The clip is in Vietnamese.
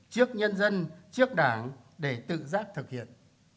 trước nhân dân trước đảng để tự giác thực hiện